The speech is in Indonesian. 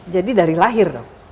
jadi dari lahir dong